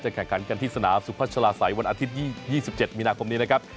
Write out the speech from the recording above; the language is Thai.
แข่งขันกันที่สนามสุพัชลาศัยวันอาทิตย์๒๗มีนาคมนี้นะครับ